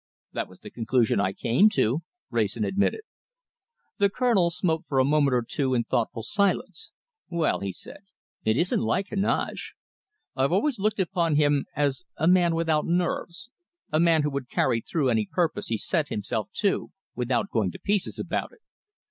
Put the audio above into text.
"That was the conclusion I came to," Wrayson admitted. The Colonel smoked for a moment or two in thoughtful silence. "Well," he said, "it isn't like Heneage. I always looked upon him as a man without nerves, a man who would carry through any purpose he set himself to, without going to pieces about it.